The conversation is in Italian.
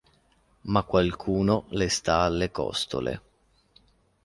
Ma qualcuno le sta alle costole...